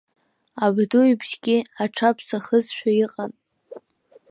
Абду ибжьгьы аҽаԥсахызшәа иҟан.